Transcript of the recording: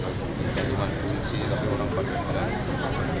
bukan kunci tapi orang pada bilang